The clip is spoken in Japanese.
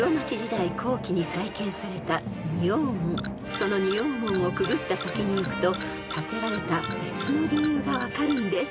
［その仁王門をくぐった先に行くと建てられた別の理由が分かるんです］